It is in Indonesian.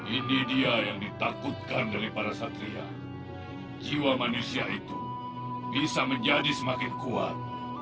ini dia yang ditakutkan dari para satria jiwa manusia itu bisa menjadi semakin kuat